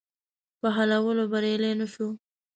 په حلولو بریالی نه شو.